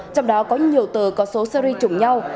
trong đó có nhiều tờ có số series chủng nhau